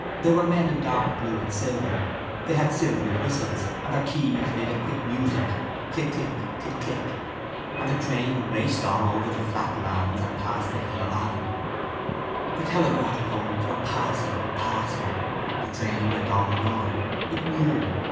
They were men in dark blue and silver; they had silvery whistles and their keys made a quick music: click, click: click, click. And the train raced on over the flat lands and past the Hill of Allen. The telegraph poles were passing, passing. The train went on and on. It knew.